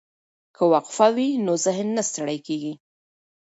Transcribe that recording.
که وقفه وي نو ذهن نه ستړی کیږي.